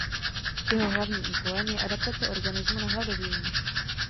Jeho hlavním úkolem je adaptace organismu na hladovění.